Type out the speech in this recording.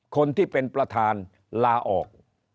คนที่เป็นประธานลาออก